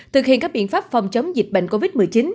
thực hiện các biện pháp phòng chống dịch bệnh covid một mươi chín